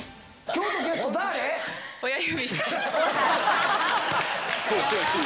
今日のゲスト誰や？